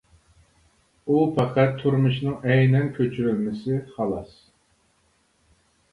ئۇ پەقەت تۇرمۇشنىڭ ئەينەن كۆچۈرۈلمىسى، خالاس.